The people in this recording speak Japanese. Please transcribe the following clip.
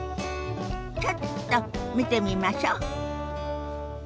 ちょっと見てみましょ。